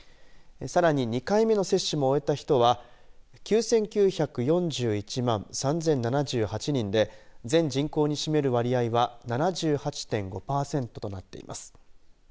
さらに２回目の接種も終えた人は９９４１万３０７８人で全人口に占める割合は７８．５パーセントとなっています。